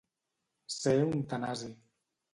Ser un tanasi.